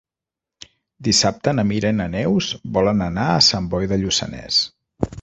Dissabte na Mira i na Neus volen anar a Sant Boi de Lluçanès.